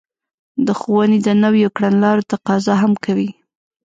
د ښوونې د نويو کړنلارو تقاضا هم کوي.